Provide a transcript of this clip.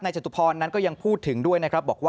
นายจตุพนันก็ยังพูดถึงด้วยนะครับ